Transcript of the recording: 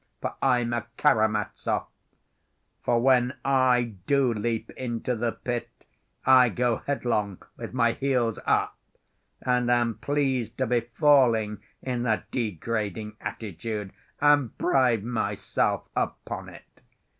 For I'm a Karamazov. For when I do leap into the pit, I go headlong with my heels up, and am pleased to be falling in that degrading attitude, and pride myself upon it.